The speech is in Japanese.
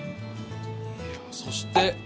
そして。